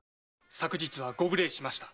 昨日はご無礼しました。